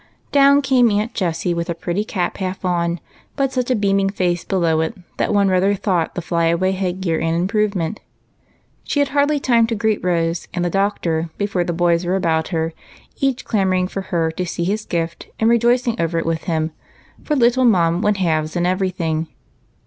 Down came Aunt Jessie with her pretty cap half on, but such a beaming face below it that one rather thought the fly away head gear an improvem^g; than otherwise. She had hardly time to greet iSse and the doctor before the boys were about her, each clamoring for her to see his gift and rejoice over it with him, for "little Mum" went halves in every thing.